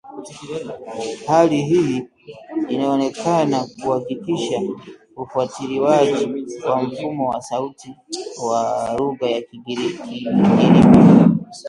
Hali hii inaonekana kuhakikisha ufuatiliwaji wa mfumo wa sauti wa lugha ya Kigirima